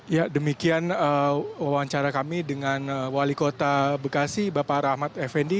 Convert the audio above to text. ya demikian wawancara kami dengan wali kota bekasi bapak rahmat effendi